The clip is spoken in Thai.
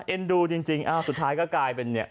เอ็นดูจริงอ้าวสุดท้ายก็กลายเป็นเนี่ย